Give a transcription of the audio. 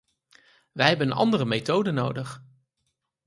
Wij hebben een andere methode nodig.